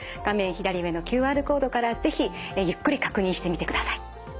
左上のＱＲコードから是非ゆっくり確認してみてください。